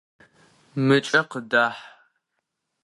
Мыкӏэ къыдахь!